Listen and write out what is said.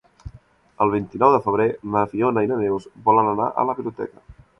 El vint-i-nou de febrer na Fiona i na Neus volen anar a la biblioteca.